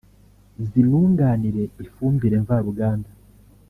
zinunganire ifumbire mvaruganda